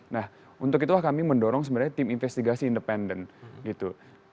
nah untuk itulah kami mendorong sebenarnya tim investigasi independen gitu